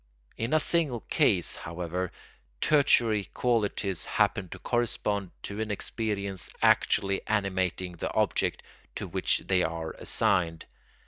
In a single case, however, tertiary qualities happen to correspond to an experience actually animating the object to which they are assigned.